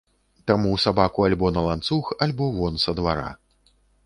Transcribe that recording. Таму сабаку альбо на ланцуг, альбо вон са двара.